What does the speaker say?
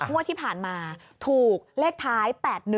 งวดที่ผ่านมาถูกเลขท้าย๘๑